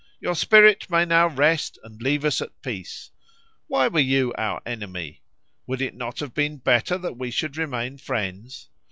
Your spirit may now rest and leave us at peace. Why were you our enemy? Would it not have been better that we should remain friends?